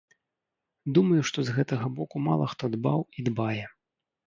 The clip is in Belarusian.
Думаю, што з гэтага боку мала хто дбаў і дбае.